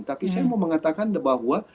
tapi saya mau mengatakan bahwa